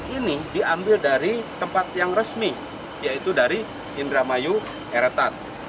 ini diambil dari tempat yang resmi yaitu dari indramayu eretan